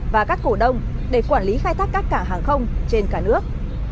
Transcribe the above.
và các cổ đông để quản lý khai thác các cảng hàng không trên cả nước